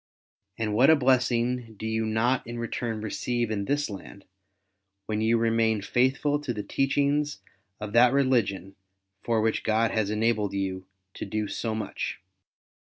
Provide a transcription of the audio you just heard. And what a blessing do you not in return receive in this land, when you remain ftiithful to the teachings of that religion for which God has enabled you to do so much